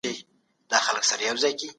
په لارو کوڅو کې مه توکوئ.